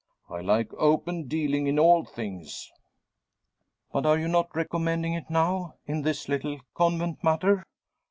I like open dealing in all things." "But you are not recommending it, now in this little convent matter?"